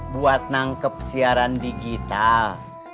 buat nangkep siaran digital